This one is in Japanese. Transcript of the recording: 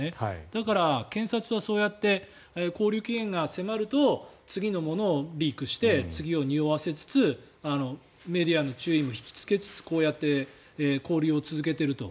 だから、検察はそうやって勾留期限が迫ると次のものをリークして次をにおわせつつメディアの注意も引きつけつつ勾留を続けていると。